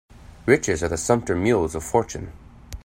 Riches are the sumpter mules of fortune.